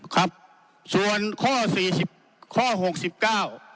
ครับส่วนข้อสี่สิบข้อหกสิบเก้า